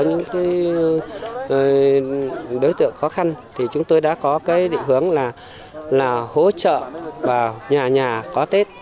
những cái y đối tượng khó khăn thì chúng tôi đã có cái định hướng là là hỗ trợ vào nhà nhà có tết